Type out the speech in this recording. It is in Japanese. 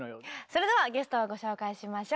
それではゲストをご紹介しましょう。